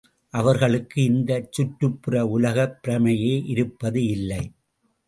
அவர்களுக்கு இந்தச் சுற்றுப்புற உலகப் பிரமையே இருப்பது இல்லை.